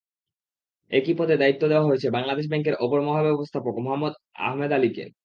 একই পদে দায়িত্ব দেওয়া হয়েছে বাংলাদেশ ব্যাংকের অপর মহাব্যবস্থাপক মোহাম্মদ আহমেদ আলীকে।